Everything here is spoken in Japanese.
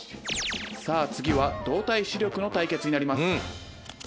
さあ次は動体視力の対決になります」。